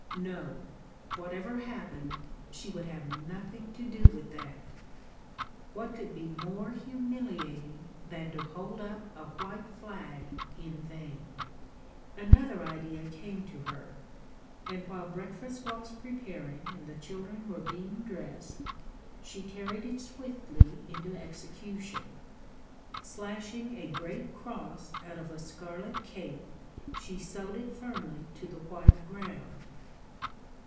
No: whatever happened, she would have nothing to do with that. What could be more humiliating than to hold up a white flag in vain? Another idea came to her; and while breakfast was preparing and the children were being dressed, she carried it swiftly into execution. Slashing a great cross out of a scarlet cape, she sewed it firmly to the white ground.